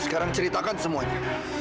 sekarang ceritakan semuanya